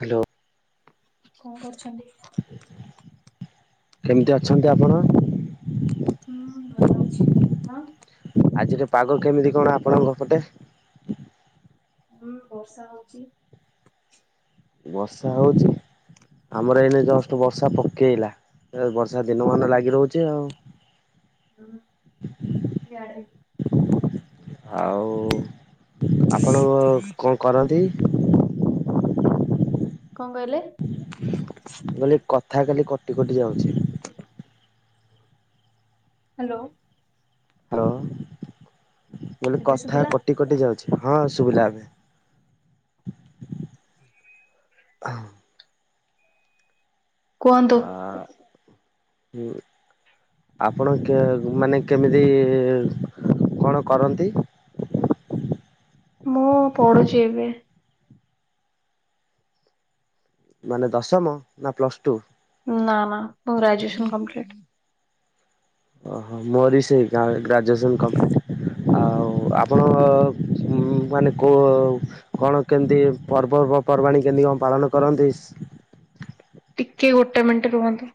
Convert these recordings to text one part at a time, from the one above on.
Hello. କଣ କରୁଛନ୍ତି? କେମିତି ଅଛନ୍ତି ଆପଣ? ହୁଁ ଭଲ ଅଛି ଆପଣ। ଆଜିର ପାଗ କେମିତି କଣ ଆପଣଙ୍କ ପଟେ? ହୁଁ ବର୍ଷା ହଉଛିି। ବର୍ଷା ହଉଛି। ଆମର ଏଇନେ ଜଷ୍ଟ ବର୍ଷା ପକେଇଲା ଏ ବର୍ଷା ଦିନମାନ ଲାଗି ରହୁଛି ଆଉ। ହୁଁ ୟାଡେ ବି। ଆଉ ଆପଣ କ କଣ କରନ୍ତି? କଣ କହିଲେ? ମୁଁ କଇଲି କଥା ଖାଲି କଟି କଟି ଯାଉଛି। ହାଲୋ। ହାଲୋ ମୁଁ କଇଲି ଏବେ କଥା ଶୁଭିଲା? କଟି କଟି ଯାଉଛି ହଁ ସୁୁବିଲା ଏବେ। କୁହନ୍ତୁ। ଆ ହୁଁ। ଆପଣ କେ ମାନେ କେମିତି କଣ କରନ୍ତି? ମୁଁ ପଢୁଛି ଏବେ। ମାନେ ଦଶମ ନା ପ୍ଲସ ଟୁ‌। ନା ନା ମୋ‌ର ଗ୍ରାଜୁଏସନ କମ୍ପ୍ଲିଟ। ଓହୋ ମୋରି ବି ସେଇ ଗା ଗ୍ରାଜୁଏସନ୍ କମ୍ପ୍ଲିଟ୍ ଆଉ ଆପଣ‌କ। ଉଁ ମାନେ କୋଉ କଣ କେମତି ପର୍ବ ପ ପର୍ବାଣୀ କେମିତି କଣ ପାଳନ କରନ୍ତି? ଟିକେ ଗୋଟେ ମିନିଟ ରୁହନ୍ତୁ।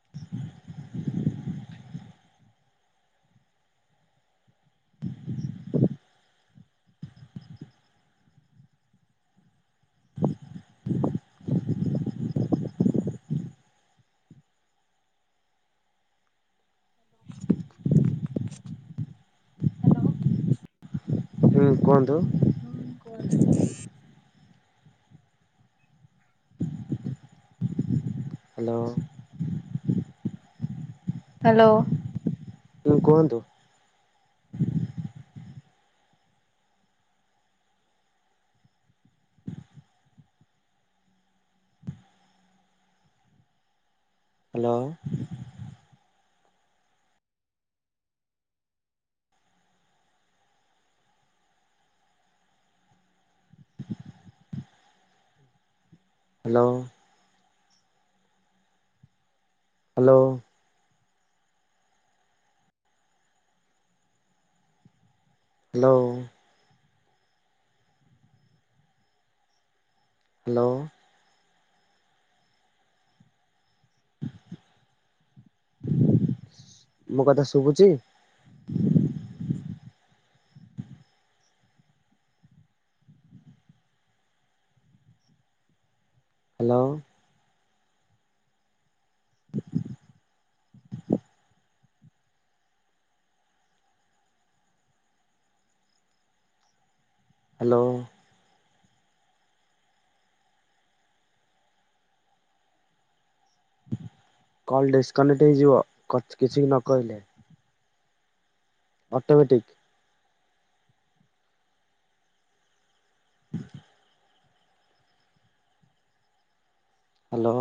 [inaudible] [inaudible] ହ୍ୟାଲୋ। ହୁଁ କୁହନ୍ତୁ। ହୁଁ କୁହନ୍ତୁ। ହ୍ୟାଲୋ। ହ୍ୟାଲୋ। ହୁଁ କୁହନ୍ତୁ। Hello hello hello hello hello ମୋ କଥା ଶୁଭୁଛି। ହ୍ୟାଲୋ ହ୍ୟାଲୋ କଲ୍ ଡିସ୍କନେକ୍ଟ ହେଇଯିବ କିଛିବି ନ କହିଲେ। Automatic hello